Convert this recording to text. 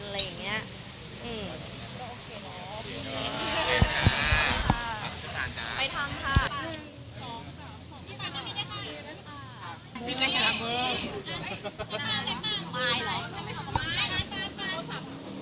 พี่ปั้นจะมิตาไเข้ยดนะ